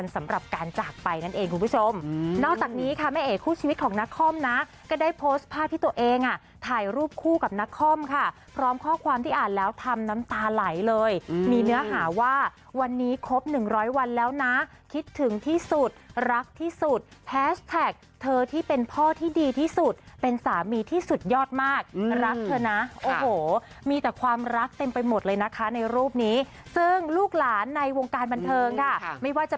ใส่รูปคู่กับนักคล่อมค่ะพร้อมข้อความที่อ่านแล้วทำน้ำตาไหลเลยมีเนื้อหาว่าวันนี้ครบหนึ่งร้อยวันแล้วนะคิดถึงที่สุดรักที่สุดแพสต์แท็กเธอที่เป็นพ่อที่ดีที่สุดเป็นสามีที่สุดยอดมากรักเธอนะโอ้โหมีแต่ความรักเต็มไปหมดเลยนะคะในรูปนี้ซึ่งลูกหลานในวงการบันเทิงค่ะไม่ว่าจะ